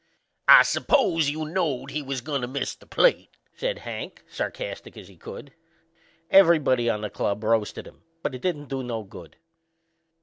"I suppose you knowed he was goin' to miss the plate!" says Hank sarcastic as he could. Everybody on the club roasted him, but it didn't do no good.